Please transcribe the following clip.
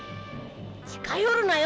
「近寄るなよ。